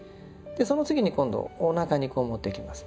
その時に今度おなかにこう持っていきます。